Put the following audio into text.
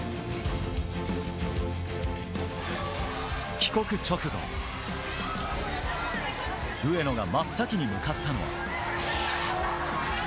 帰国直後、上野が真っ先に向かったのは。